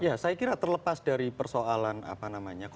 ya saya kira terlepas dari persoalan apa namanya